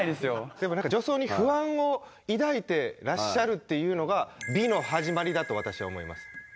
でもなんか女装に不安を抱いてらっしゃるっていうのが美の始まりだと私は思います。